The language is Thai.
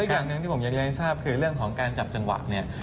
คือเรื่องของการจับจังหวะเนี่ย